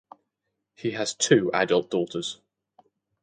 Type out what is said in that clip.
He has two adult daughters.